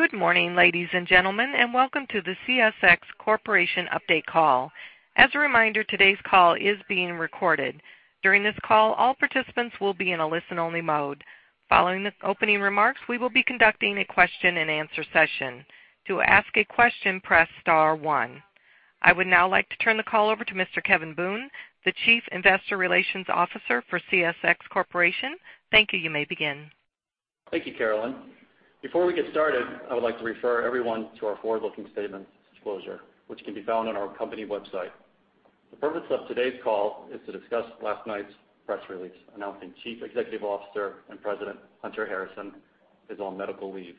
Good morning, ladies and gentlemen, and welcome to the CSX Corporation Update Call. As a reminder, today's call is being recorded. During this call, all participants will be in a listen-only mode. Following the opening remarks, we will be conducting a question-and-answer session. To ask a question, press star one. I would now like to turn the call over to Mr. Kevin Boone, the Chief Investor Relations Officer for CSX Corporation. Thank you. You may begin. Thank you, Carolyn. Before we get started, I would like to refer everyone to our forward-looking statements disclosure, which can be found on our company website. The purpose of today's call is to discuss last night's press release announcing Chief Executive Officer and President Hunter Harrison is on medical leave.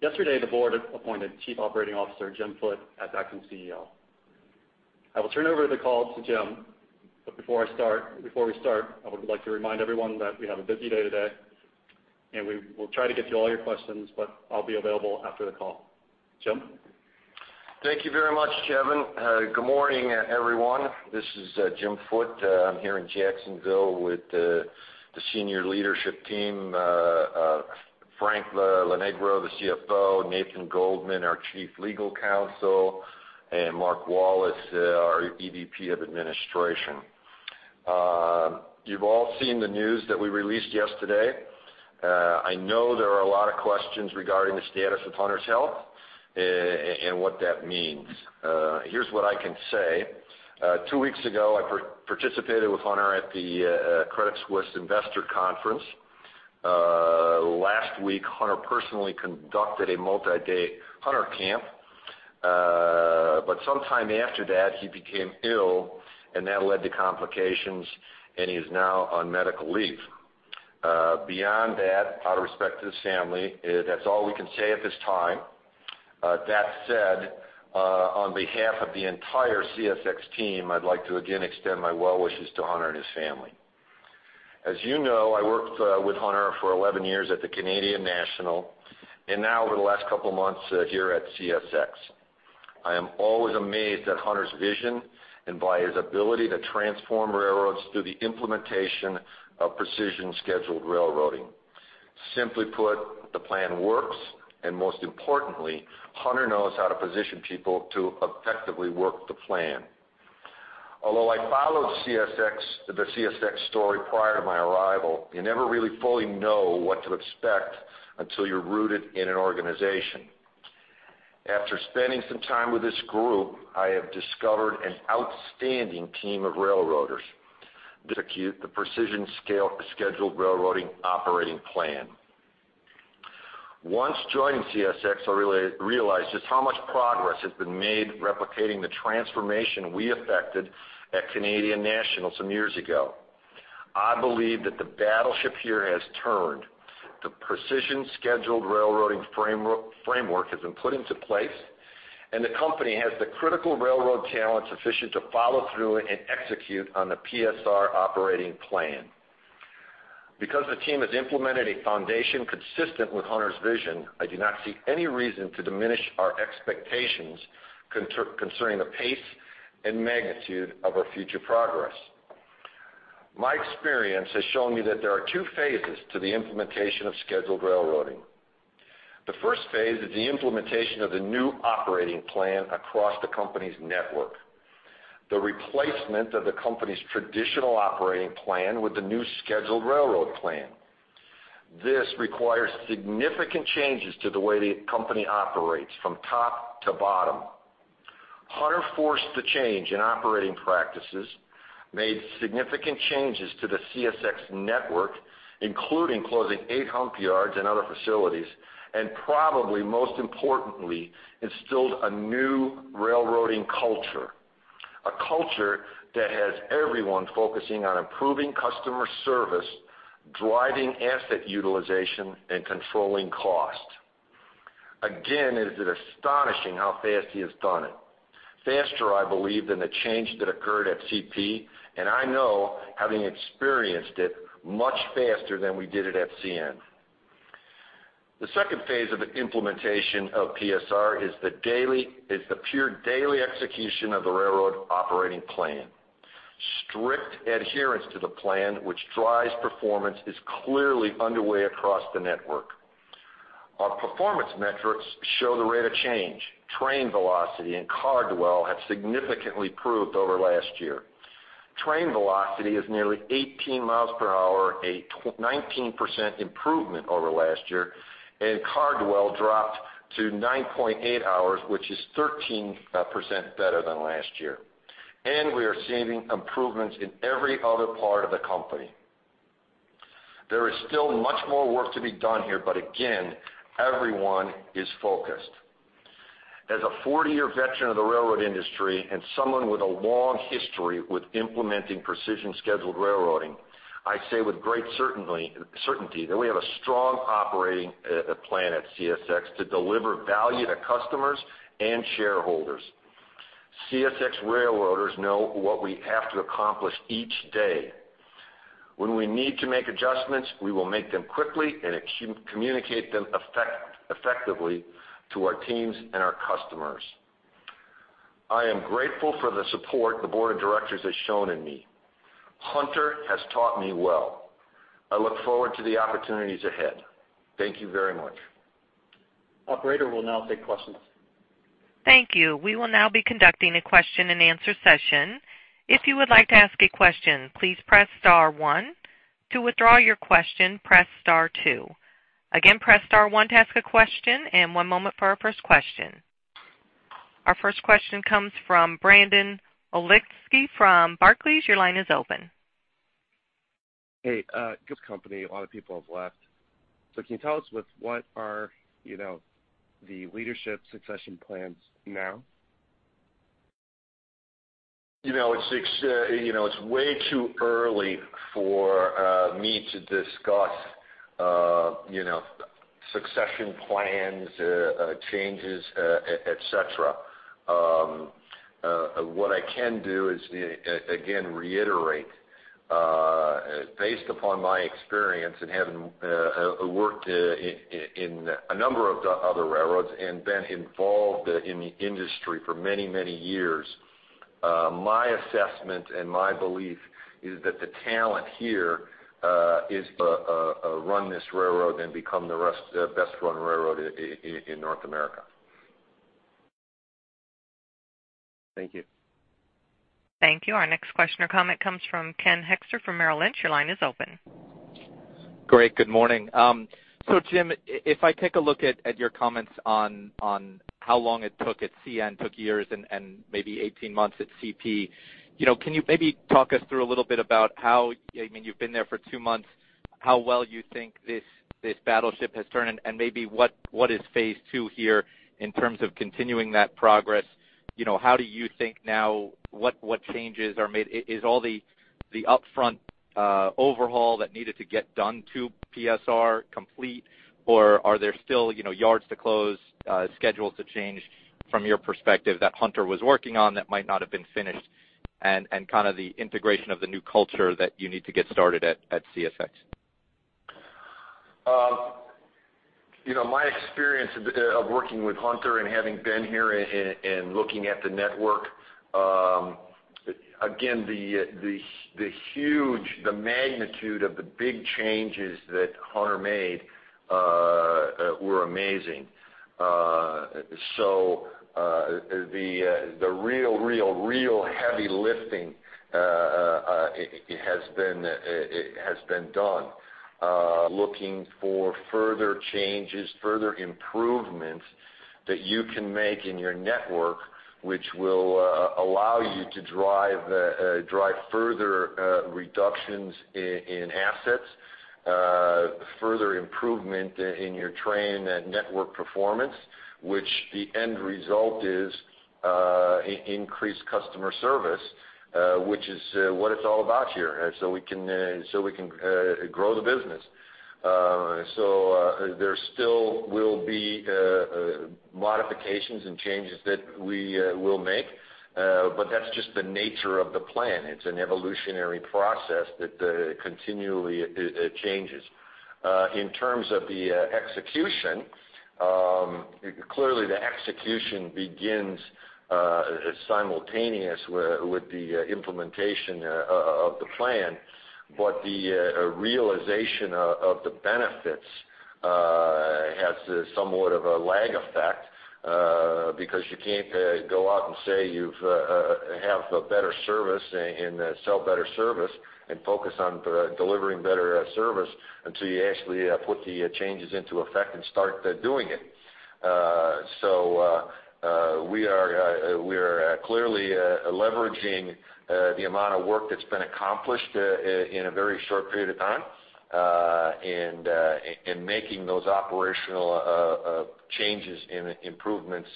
Yesterday, the board appointed Chief Operating Officer Jim Foote as acting CEO. I will turn over the call to Jim. But before we start, I would like to remind everyone that we have a busy day today, and we will try to get to all your questions, but I'll be available after the call. Jim? Thank you very much, Kevin. Good morning, everyone. This is Jim Foote. I'm here in Jacksonville with the senior leadership team: Frank Lonegro, the CFO, Nathan Goldman, our Chief Legal Counsel, and Mark Wallace, our EVP of Administration. You've all seen the news that we released yesterday. I know there are a lot of questions regarding the status of Hunter's health and what that means. Here's what I can say: two weeks ago, I participated with Hunter at the Credit Suisse Investor Conference. Last week, Hunter personally conducted a multi-day Hunter Camp, but sometime after that, he became ill, and that led to complications, and he is now on medical leave. Beyond that, out of respect to his family, that's all we can say at this time. That said, on behalf of the entire CSX team, I'd like to again extend my well wishes to Hunter and his family. As you know, I worked with Hunter for 11 years at the Canadian National, and now, over the last couple of months here at CSX. I am always amazed at Hunter's vision and by his ability to transform railroads through the implementation of Precision Scheduled Railroading. Simply put, the plan works, and most importantly, Hunter knows how to position people to effectively work the plan. Although I followed the CSX story prior to my arrival, you never really fully know what to expect until you're rooted in an organization. After spending some time with this group, I have discovered an outstanding team of railroaders. Execute the Precision Scheduled Railroading operating plan. Once joining CSX, I realized just how much progress has been made replicating the transformation we affected at Canadian National some years ago. I believe that the battleship here has turned. The Precision Scheduled Railroading framework has been put into place, and the company has the critical railroad talent sufficient to follow through and execute on the PSR operating plan. Because the team has implemented a foundation consistent with Hunter's vision, I do not see any reason to diminish our expectations concerning the pace and magnitude of our future progress. My experience has shown me that there are two phases to the implementation of Scheduled Railroading. The first phase is the implementation of the new operating plan across the company's network, the replacement of the company's traditional operating plan with the new Scheduled Railroading plan. This requires significant changes to the way the company operates from top to bottom. Hunter forced the change in operating practices, made significant changes to the CSX network, including closing eight hump yards and other facilities, and probably most importantly, instilled a new railroading culture, a culture that has everyone focusing on improving customer service, driving asset utilization, and controlling cost. Again, it is astonishing how fast he has done it, faster, I believe, than the change that occurred at CP, and I know, having experienced it, much faster than we did it at CN. The second phase of the implementation of PSR is the pure daily execution of the railroad operating plan. Strict adherence to the plan, which drives performance, is clearly underway across the network. Our performance metrics show the rate of change. Train velocity and car dwell have significantly improved over last year. Train velocity is nearly 18 miles per hour, a 19% improvement over last year, and car dwell dropped to 9.8 hours, which is 13% better than last year. We are seeing improvements in every other part of the company. There is still much more work to be done here, but again, everyone is focused. As a 40-year veteran of the railroad industry and someone with a long history with implementing Precision Scheduled Railroading, I say with great certainty that we have a strong operating plan at CSX to deliver value to customers and shareholders. CSX railroaders know what we have to accomplish each day. When we need to make adjustments, we will make them quickly and communicate them effectively to our teams and our customers. I am grateful for the support the board of directors has shown in me. Hunter has taught me well. I look forward to the opportunities ahead. Thank you very much. Operator will now take questions. Thank you. We will now be conducting a question-and-answer session. If you would like to ask a question, please press star one. To withdraw your question, press star two. Again, press star one to ask a question, and one moment for our first question. Our first question comes from Brandon Oglenski from Barclays. Your line is open. Hey. Company. A lot of people have left. So can you tell us what are the leadership succession plans now? It's way too early for me to discuss succession plans, changes, etc. What I can do is, again, reiterate. Based upon my experience and having worked in a number of other railroads and been involved in the industry for many, many years, my assessment and my belief is that the talent here is. Run this railroad and become the best running railroad in North America. Thank you. Thank you. Our next question or comment comes from Ken Hoexter from Merrill Lynch. Your line is open. Great. Good morning. So Jim, if I take a look at your comments on how long it took at CN, it took years and maybe 18 months at CP, can you maybe talk us through a little bit about how, I mean, you've been there for 2 months, how well you think this battleship has turned and maybe what is phase two here in terms of continuing that progress? How do you think now what changes are made? Is all the upfront overhaul that needed to get done to PSR complete, or are there still yards to close, schedules to change from your perspective that Hunter was working on that might not have been finished, and kind of the integration of the new culture that you need to get started at CSX? My experience of working with Hunter and having been here and looking at the network, again, the huge, the magnitude of the big changes that Hunter made were amazing. So the real, real, real heavy lifting has been done. Looking for further changes, further improvements that you can make in your network, which will allow you to drive further reductions in assets, further improvement in your train network performance. Which the end result is increased customer service, which is what it's all about here, so we can grow the business. So there still will be modifications and changes that we will make, but that's just the nature of the plan. It's an evolutionary process that continually changes. In terms of the execution, clearly the execution begins simultaneous with the implementation of the plan. But the realization of the benefits has somewhat of a lag effect because you can't go out and say you have better service and sell better service and focus on delivering better service until you actually put the changes into effect and start doing it. So we are clearly leveraging the amount of work that's been accomplished in a very short period of time and making those operational changes and improvements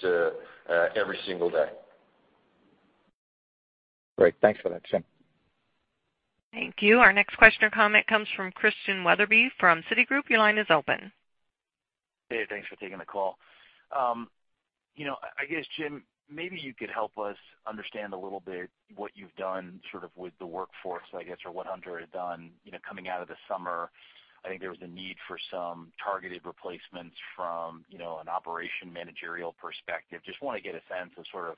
every single day. Great. Thanks for that, Jim. Thank you. Our next question or comment comes from Christian Wetherbee from Citigroup. Your line is open. Hey, thanks for taking the call. I guess, Jim, maybe you could help us understand a little bit what you've done sort of with the workforce, I guess, or what Hunter had done. Coming out of the summer, I think there was a need for some targeted replacements from an operation managerial perspective. Just want to get a sense of sort of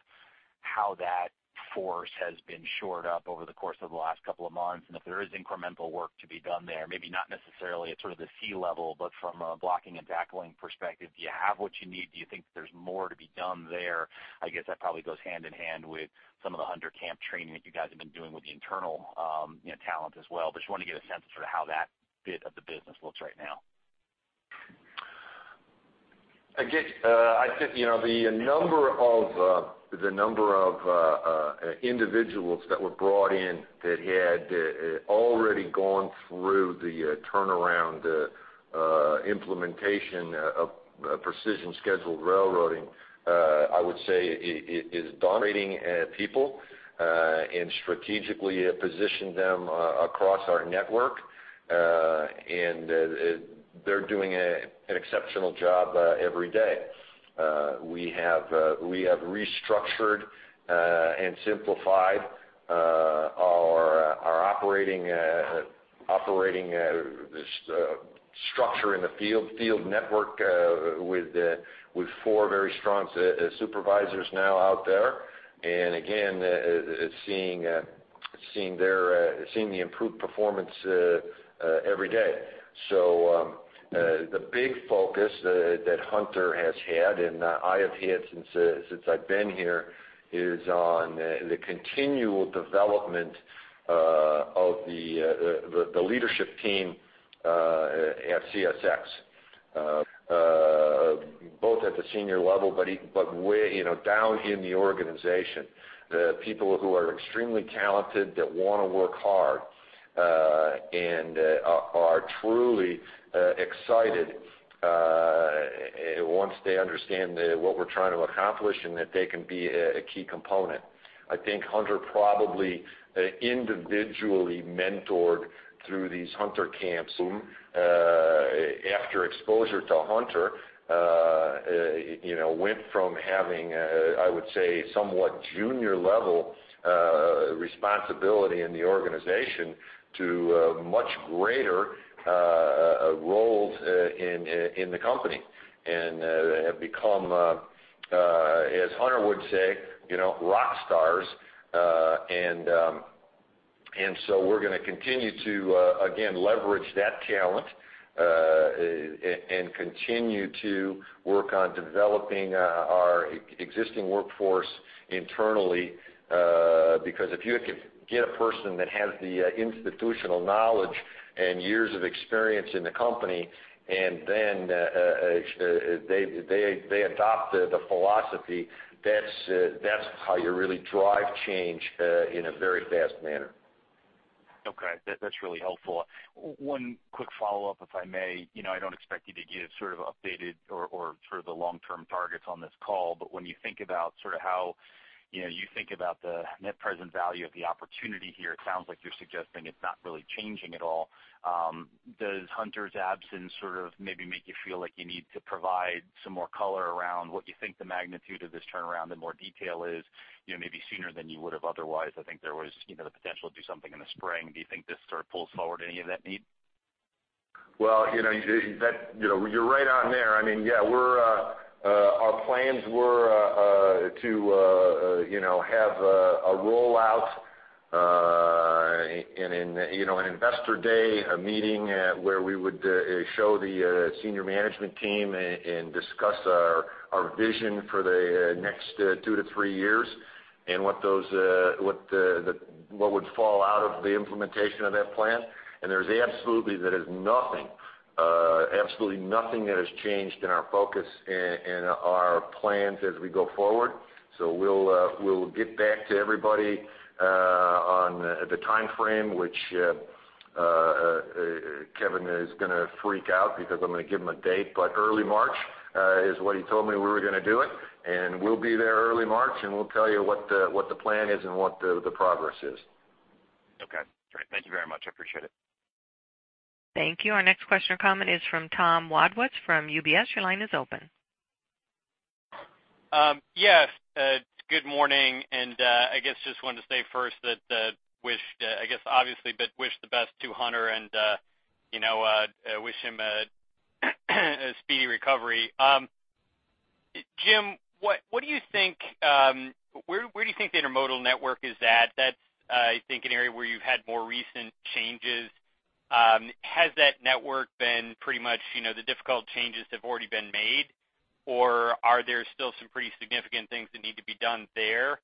how that force has been shored up over the course of the last couple of months and if there is incremental work to be done there, maybe not necessarily at sort of the C level, but from a blocking and tackling perspective. Do you have what you need? Do you think there's more to be done there? I guess that probably goes hand in hand with some of the Hunter camp training that you guys have been doing with the internal talent as well. Just want to get a sense of sort of how that bit of the business looks right now. I think the number of individuals that were brought in that had already gone through the turnaround implementation of Precision Scheduled Railroading, I would say, is on training people and strategically positioning them across our network, and they're doing an exceptional job every day. We have restructured and simplified our operating structure in the field network with four very strong supervisors now out there, and again, seeing the improved performance every day. So the big focus that Hunter has had, and I have had since I've been here, is on the continual development of the leadership team at CSX, both at the senior level but down in the organization. The people who are extremely talented that want to work hard and are truly excited once they understand what we're trying to accomplish and that they can be a key component. I think Hunter probably individually mentored through these Hunter camps who, after exposure to Hunter, went from having. I would say, somewhat junior level responsibility in the organization to much greater roles in the company and have become, as Hunter would say, rock stars. And so we're going to continue to, again, leverage that talent and continue to work on developing our existing workforce internally because if you get a person that has the institutional knowledge and years of experience in the company, and then they adopt the philosophy, that's how you really drive change in a very fast manner. Okay. That's really helpful. One quick follow-up, if I may. I don't expect you to give sort of updated or sort of the long-term targets on this call, but when you think about sort of how you think about the net present value of the opportunity here, it sounds like you're suggesting it's not really changing at all. Does Hunter's absence sort of maybe make you feel like you need to provide some more color around what you think the magnitude of this turnaround and more detail is maybe sooner than you would have otherwise? I think there was the potential to do something in the spring. Do you think this sort of pulls forward any of that need? Well, you're right on there. I mean, yeah, our plans were to have a rollout and an investor day meeting where we would show the senior management team and discuss our vision for the next two to three years and what would fall out of the implementation of that plan. And there's absolutely nothing, absolutely nothing that has changed in our focus and our plans as we go forward. So we'll get back to everybody on the timeframe, which Kevin is going to freak out because I'm going to give him a date, but early March is what he told me we were going to do it. And we'll be there early March, and we'll tell you what the plan is and what the progress is. Okay. Great. Thank you very much. I appreciate it. Thank you. Our next question or comment is from Tom Wadewitz from UBS. Your line is open. Yes. Good morning. And I guess just wanted to say first that, I guess, obviously, but wish the best to Hunter and wish him a speedy recovery. Jim, what do you think? Where do you think the intermodal network is at? That's, I think, an area where you've had more recent changes. Has that network been pretty much the difficult changes have already been made, or are there still some pretty significant things that need to be done there?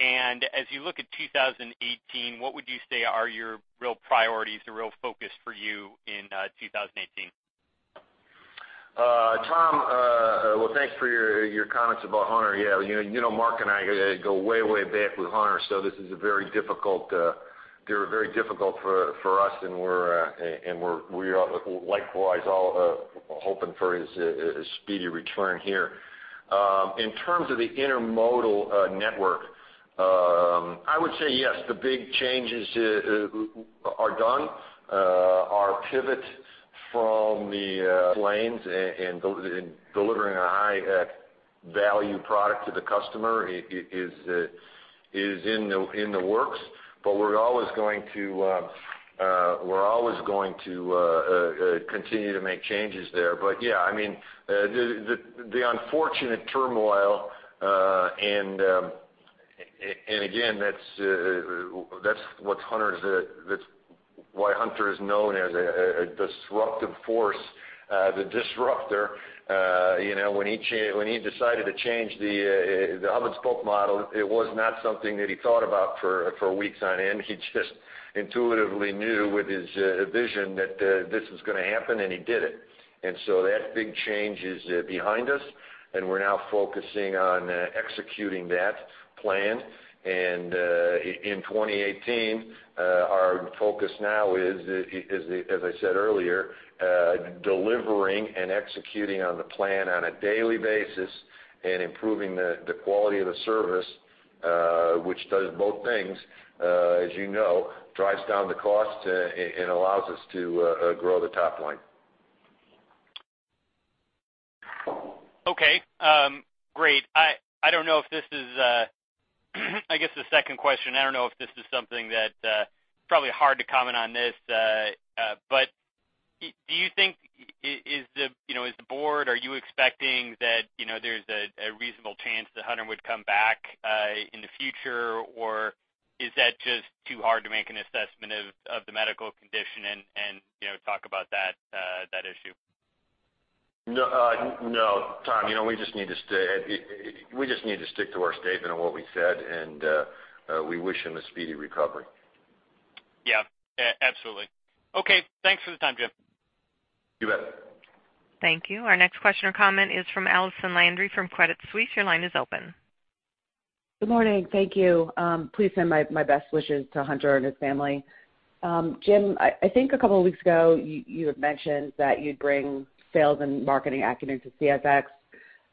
And as you look at 2018, what would you say are your real priorities, the real focus for you in 2018? Tom, well, thanks for your comments about Hunter. Yeah. Mark and I go way, way back with Hunter, so this is a very difficult—they're very difficult for us, and we're likewise all hoping for his speedy return here. In terms of the intermodal network, I would say yes, the big changes are done. Our pivot from the hub-and-spoke and delivering a high-value product to the customer is in the works, but we're always going to—we're always going to continue to make changes there. But yeah, I mean, the unfortunate turmoil, and again, that's what Hunter is—that's why Hunter is known as a disruptive force, the disruptor. When he decided to change the hub-and-spoke model, it was not something that he thought about for weeks on end. He just intuitively knew with his vision that this was going to happen, and he did it. So that big change is behind us, and we're now focusing on executing that plan. In 2018, our focus now is, as I said earlier, delivering and executing on the plan on a daily basis and improving the quality of the service, which does both things, as you know, drives down the cost and allows us to grow the top line. Okay. Great. I don't know if this is—I guess the second question, I don't know if this is something that's probably hard to comment on this, but do you think is the board—are you expecting that there's a reasonable chance that Hunter would come back in the future, or is that just too hard to make an assessment of the medical condition and talk about that issue? No. Tom, we just need to stick to our statement of what we said, and we wish him a speedy recovery. Yeah. Absolutely. Okay. Thanks for the time, Jim. You bet. Thank you. Our next question or comment is from Allison Landry from Credit Suisse. Your line is open. Good morning. Thank you. Please send my best wishes to Hunter and his family. Jim, I think a couple of weeks ago, you had mentioned that you'd bring sales and marketing acumen to CSX.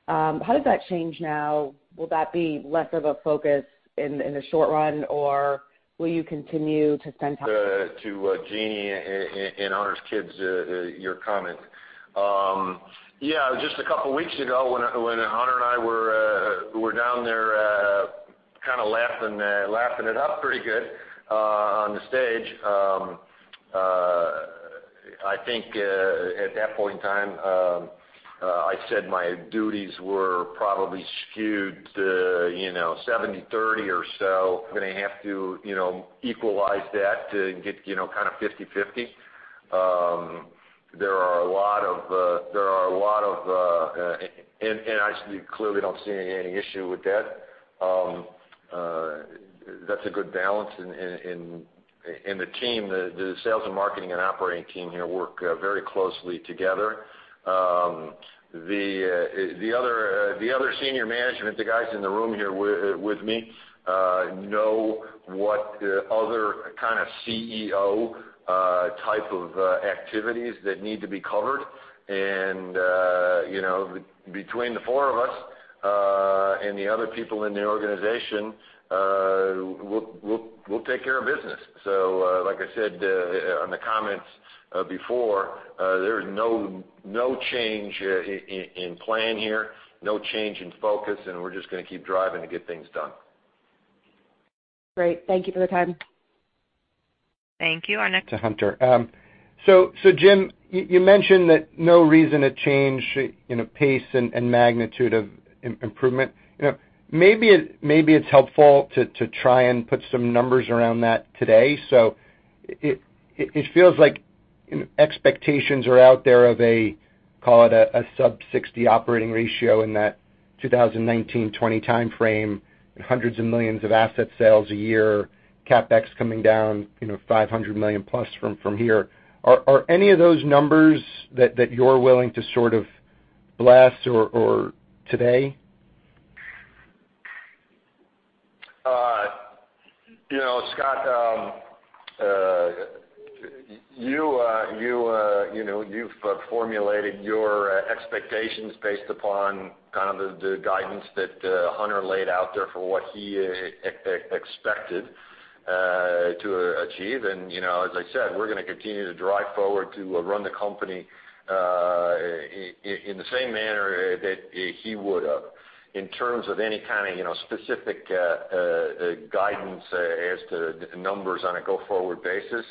How does that change now? Will that be less of a focus in the short run, or will you continue to spend? To Jeannie and Hunter's kids, your comment. Yeah. Just a couple of weeks ago, when Hunter and I were down there kind of laughing it up pretty good on the stage, I think at that point in time, I said my duties were probably skewed 70/30 or so. Going to have to equalize that to get kind of 50/50. There are a lot of—there are a lot of—and I clearly don't see any issue with that. That's a good balance. And the team, the sales and marketing and operating team here, work very closely together. The other senior management, the guys in the room here with me, know what other kind of CEO type of activities that need to be covered. And between the four of us and the other people in the organization, we'll take care of business. Like I said on the comments before, there's no change in plan here, no change in focus, and we're just going to keep driving to get things done. Great. Thank you for the time. Thank you. Our next... To Hunter. So Jim, you mentioned that no reason to change pace and magnitude of improvement. Maybe it's helpful to try and put some numbers around that today. So it feels like expectations are out there of a, call it a sub-60 operating ratio in that 2019-2020 timeframe, hundreds of millions of asset sales a year, CapEx coming down $500 million plus from here. Are any of those numbers that you're willing to sort of blast today? Scott, you've formulated your expectations based upon kind of the guidance that Hunter laid out there for what he expected to achieve. As I said, we're going to continue to drive forward to run the company in the same manner that he would have in terms of any kind of specific guidance as to numbers on a go-forward basis.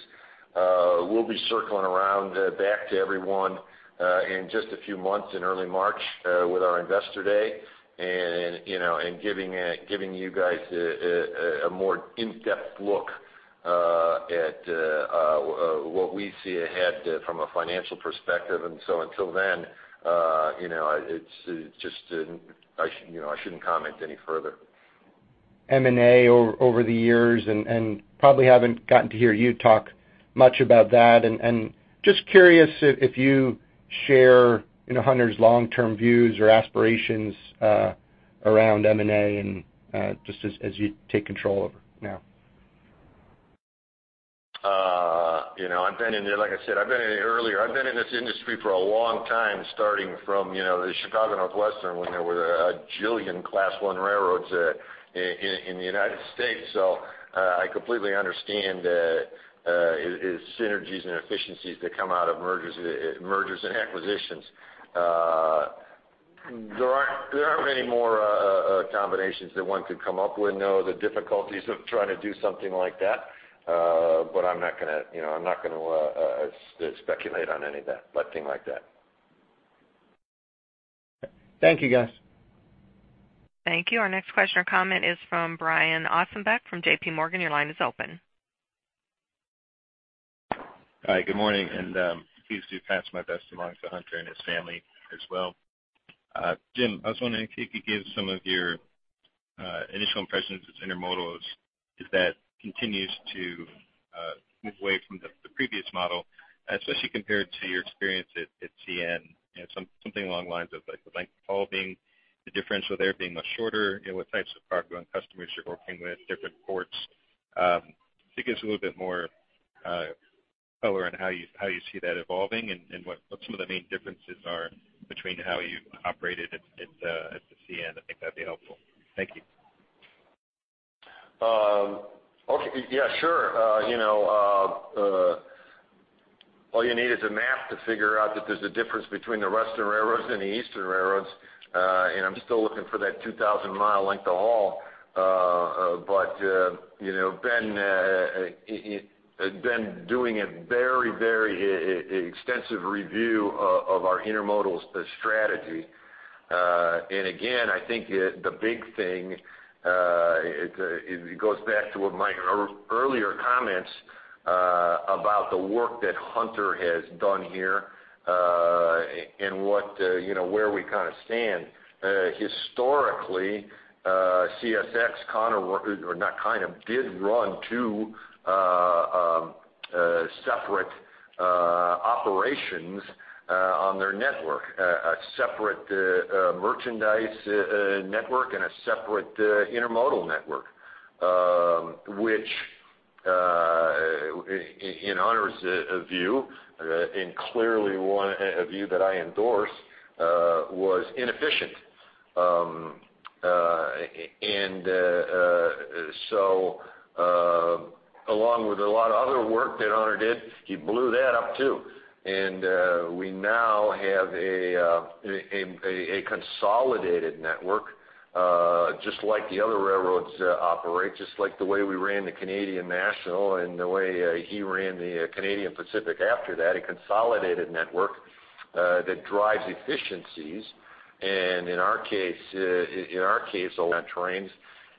We'll be circling around back to everyone in just a few months in early March with our investor day and giving you guys a more in-depth look at what we see ahead from a financial perspective. So until then, it's just I shouldn't comment any further. M&A over the years and probably haven't gotten to hear you talk much about that. Just curious if you share Hunter's long-term views or aspirations around M&A and just as you take control of it now. I've been in it, like I said, I've been in it earlier. I've been in this industry for a long time, starting from the Chicago and North Western when there were a gillion Class I railroads in the United States. So I completely understand the synergies and efficiencies that come out of mergers and acquisitions. There aren't many more combinations that one could come up with, no, the difficulties of trying to do something like that, but I'm not going to, I'm not going to speculate on any of that, nothing like that. Thank you, guys. Thank you. Our next question or comment is from Brian Ossenbeck from J.P. Morgan. Your line is open. Hi. Good morning. And please do pass my best along to Hunter and his family as well. Jim, I was wondering if you could give some of your initial impressions on intermodal as that continues to move away from the previous model, especially compared to your experience at CN, something along the lines of the length of haul being, the differential there being much shorter, what types of cargo and customers you're working with, different ports. If you give us a little bit more color on how you see that evolving and what some of the main differences are between how you operated at CN, I think that'd be helpful. Thank you. Okay. Yeah. Sure. All you need is a map to figure out that there's a difference between the western railroads and the eastern railroads. And I'm still looking for that 2,000-mile length of haul. But we're doing a very, very extensive review of our intermodal strategy. And again, I think the big thing goes back to my earlier comments about the work that Hunter has done here and where we kind of stand. Historically, CSX, CN, or not CN, did run two separate operations on their network, a separate merchandise network and a separate intermodal network, which in Hunter's view, and clearly a view that I endorse, was inefficient. And so along with a lot of other work that Hunter did, he blew that up too. And we now have a consolidated network, just like the other railroads operate, just like the way we ran the Canadian National and the way he ran the Canadian Pacific after that, a consolidated network that drives efficiencies. And in our case, in our case, on trains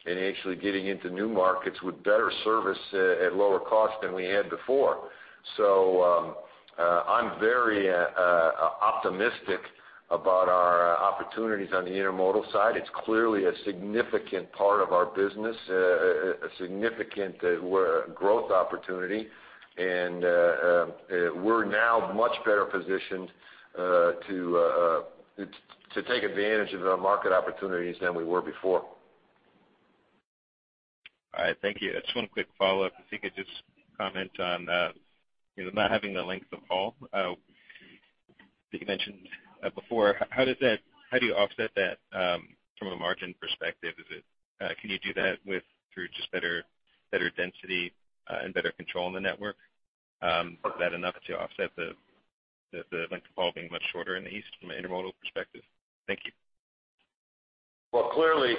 and actually getting into new markets with better service at lower cost than we had before. So I'm very optimistic about our opportunities on the intermodal side. It's clearly a significant part of our business, a significant growth opportunity. And we're now much better positioned to take advantage of the market opportunities than we were before. All right. Thank you. Just one quick follow-up. If you could just comment on not having the length of haul. You mentioned before, how do you offset that from a margin perspective? Can you do that through just better density and better control in the network? Is that enough to offset the length of haul being much shorter in the east from an intermodal perspective? Thank you. Well, clearly,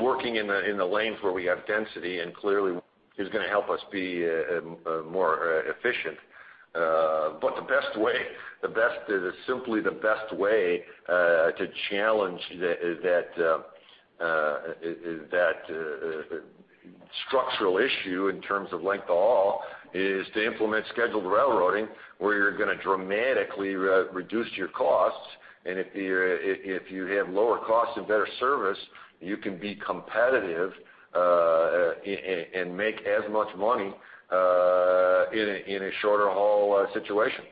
working in the lanes where we have density and clearly is going to help us be more efficient. But the best way, the best, simply the best way to challenge that structural issue in terms of length of haul is to implement scheduled railroading where you're going to dramatically reduce your costs. And if you have lower costs and better service, you can be competitive and make as much money in a shorter haul situation.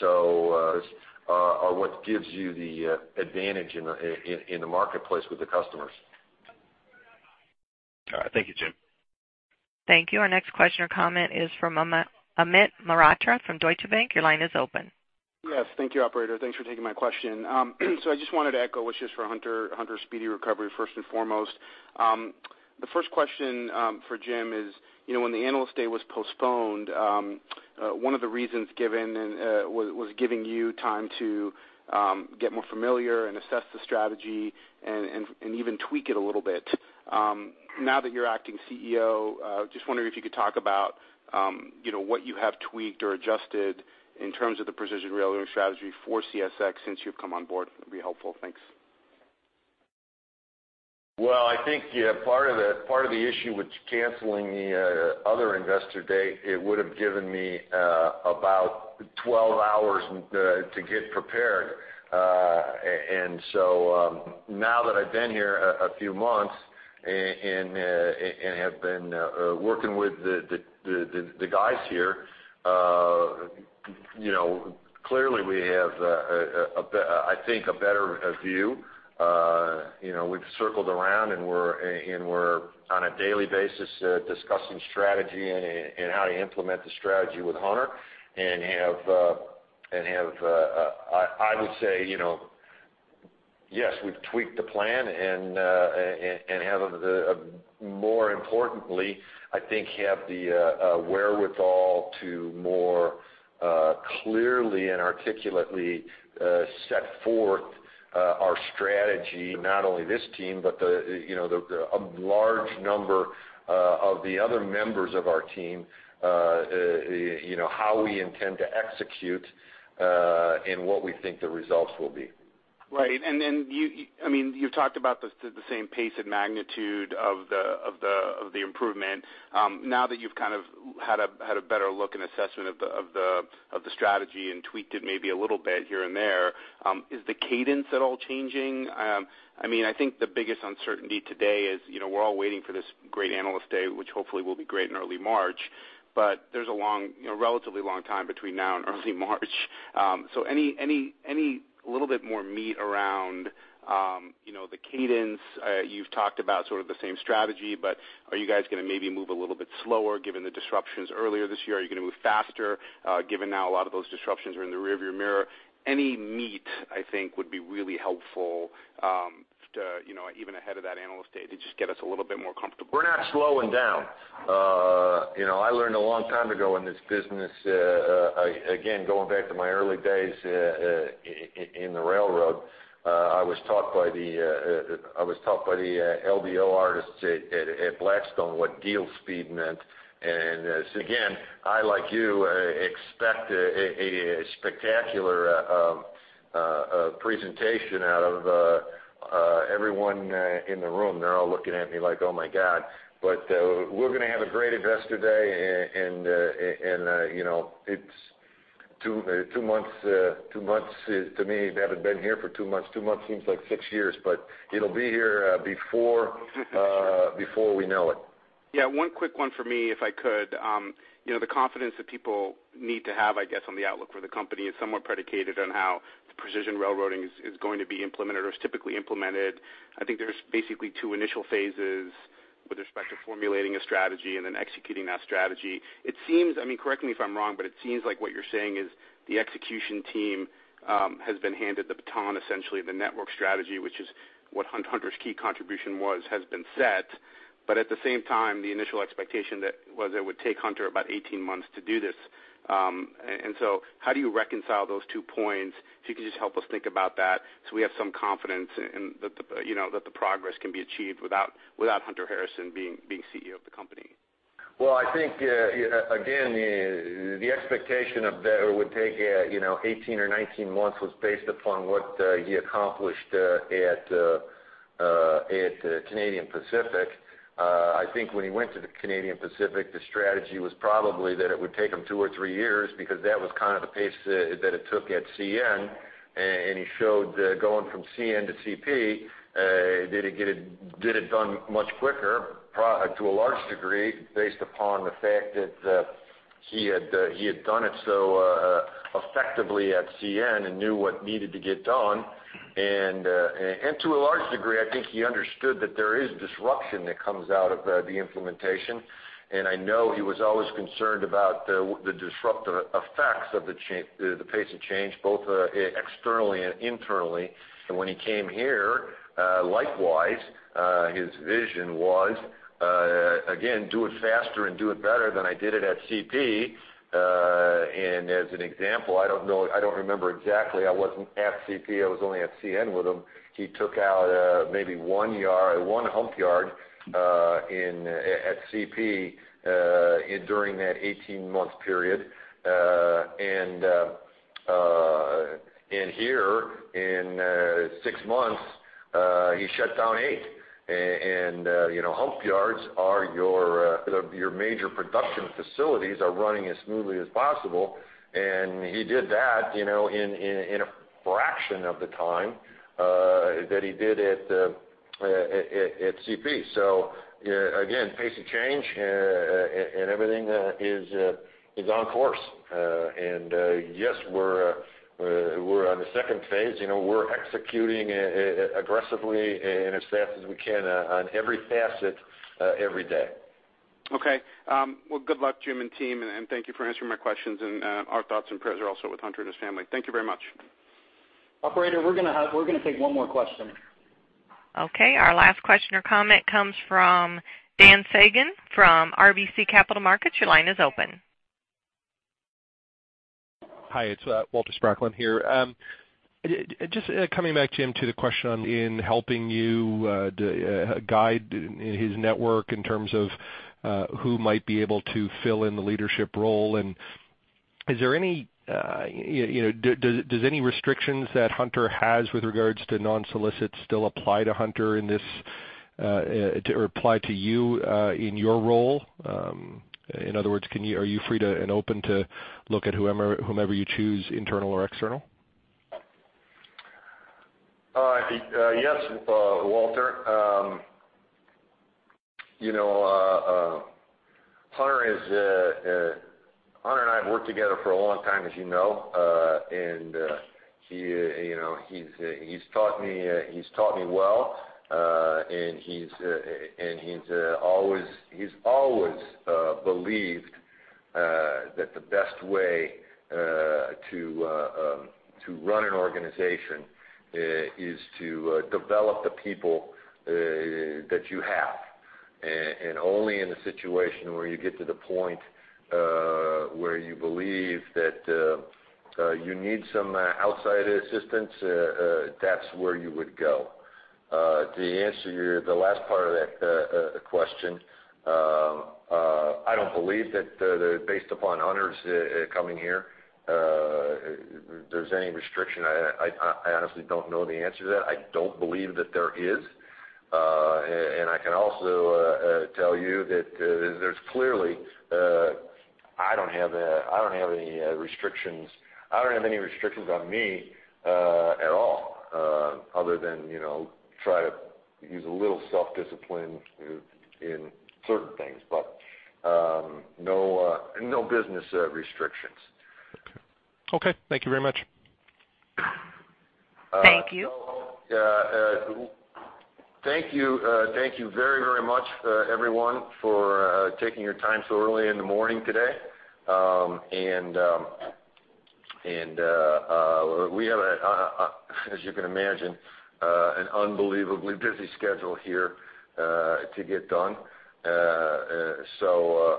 So is what gives you the advantage in the marketplace with the customers. All right. Thank you, Jim. Thank you. Our next question or comment is from Amit Mehrotra from Deutsche Bank. Your line is open. Yes. Thank you, operator. Thanks for taking my question. So I just wanted to echo what's just for Hunter speedy recovery first and foremost. The first question for Jim is, when the analyst day was postponed, one of the reasons given was giving you time to get more familiar and assess the strategy and even tweak it a little bit. Now that you're acting CEO, just wondering if you could talk about what you have tweaked or adjusted in terms of the precision railroading strategy for CSX since you've come on board. That'd be helpful. Thanks. Well, I think part of the issue with canceling the other investor day, it would have given me about 12 hours to get prepared. And so now that I've been here a few months and have been working with the guys here, clearly we have, I think, a better view. We've circled around and we're on a daily basis discussing strategy and how to implement the strategy with Hunter and have, I would say, yes, we've tweaked the plan and have, more importantly, I think have the wherewithal to more clearly and articulately set forth our strategy, not only this team, but a large number of the other members of our team, how we intend to execute and what we think the results will be. Right. Then I mean, you've talked about the same pace and magnitude of the improvement. Now that you've kind of had a better look and assessment of the strategy and tweaked it maybe a little bit here and there, is the cadence at all changing? I mean, I think the biggest uncertainty today is we're all waiting for this great analyst day, which hopefully will be great in early March. But there's a relatively long time between now and early March. So any little bit more meat around the cadence? You've talked about sort of the same strategy, but are you guys going to maybe move a little bit slower given the disruptions earlier this year? Are you going to move faster given now a lot of those disruptions are in the rearview mirror? Any meat, I think, would be really helpful even ahead of that analyst day to just get us a little bit more comfortable. We're not slowing down. I learned a long time ago in this business, again, going back to my early days in the railroad, I was taught by the old-timers at Blackstone what deal speed meant. And again, I, like you, expect a spectacular presentation out of everyone in the room. They're all looking at me like, "Oh my God." But we're going to have a great investor day, and it's two months to me. I haven't been here for two months. Two months seems like six years, but it'll be here before we know it. Yeah. One quick one for me, if I could. The confidence that people need to have, I guess, on the outlook for the company is somewhat predicated on how Precision Railroading is going to be implemented or is typically implemented. I think there's basically two initial phases with respect to formulating a strategy and then executing that strategy. I mean, correct me if I'm wrong, but it seems like what you're saying is the execution team has been handed the baton, essentially, the network strategy, which is what Hunter's key contribution was, has been set. But at the same time, the initial expectation was it would take Hunter about 18 months to do this. And so how do you reconcile those two points? If you could just help us think about that so we have some confidence that the progress can be achieved without Hunter Harrison being CEO of the company. Well, I think, again, the expectation of that would take 18 or 19 months was based upon what he accomplished at Canadian Pacific. I think when he went to the Canadian Pacific, the strategy was probably that it would take him 2 or 3 years because that was kind of the pace that it took at CN. And he showed going from CN to CP, did it get it done much quicker, to a large degree, based upon the fact that he had done it so effectively at CN and knew what needed to get done. And to a large degree, I think he understood that there is disruption that comes out of the implementation. And I know he was always concerned about the disruptive effects of the pace of change, both externally and internally. And when he came here, likewise, his vision was, again, do it faster and do it better than I did it at CP. And as an example, I don't remember exactly. I wasn't at CP. I was only at CN with him. He took out maybe one hump yard at CP during that 18-month period. And here, in six months, he shut down eight. And hump yards are your major production facilities are running as smoothly as possible. And he did that in a fraction of the time that he did at CP. So again, pace of change and everything is on course. And yes, we're on the second phase. We're executing aggressively and as fast as we can on every facet every day. Okay. Well, good luck, Jim and team. Thank you for answering my questions. Our thoughts and prayers are also with Hunter and his family. Thank you very much. Operator, we're going to take one more question. Okay. Our last question or comment comes from Dan Sagan from RBC Capital Markets. Your line is open. Hi. It's Walter Spracklin here. Just coming back, Jim, to the question on helping you guide his network in terms of who might be able to fill in the leadership role. And is there any restrictions that Hunter has with regards to non-solicits still apply to Hunter in this or apply to you in your role? In other words, are you free and open to look at whomever you choose, internal or external? Yes, Walter. Hunter and I have worked together for a long time, as you know. And he's taught me well. And he's always believed that the best way to run an organization is to develop the people that you have. And only in a situation where you get to the point where you believe that you need some outside assistance, that's where you would go. The last part of that question, I don't believe that based upon Hunter's coming here, there's any restriction. I honestly don't know the answer to that. I don't believe that there is. And I can also tell you that there's clearly I don't have any restrictions. I don't have any restrictions on me at all other than try to use a little self-discipline in certain things, but no business restrictions. Okay. Thank you very much. Thank you. Thank you. Thank you very, very much, everyone, for taking your time so early in the morning today. We have, as you can imagine, an unbelievably busy schedule here to get done.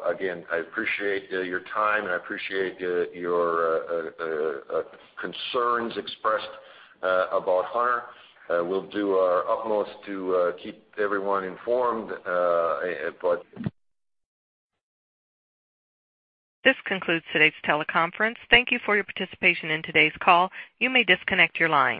Again, I appreciate your time, and I appreciate your concerns expressed about Hunter. We'll do our utmost to keep everyone informed, but. This concludes today's teleconference. Thank you for your participation in today's call. You may disconnect your line.